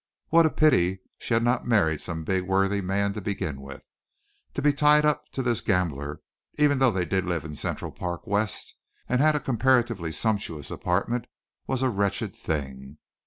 What a pity she had not married some big, worthy man to begin with. To be tied up to this gambler, even though they did live in Central Park West and had a comparatively sumptuous apartment, was a wretched thing.